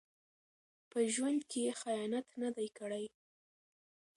په ژوند کې یې خیانت نه دی کړی.